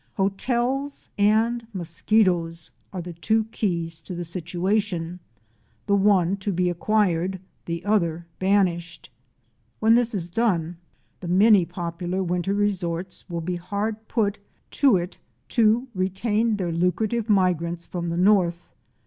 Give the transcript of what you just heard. Hotels and mosquitoes are the two keys to the situation —the one to be acquired, the other banished. When this is done, the many popular winter resorts will be hard put to it to retain their lucrative migrants from the North.